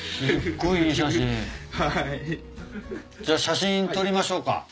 じゃあ写真撮りましょうか。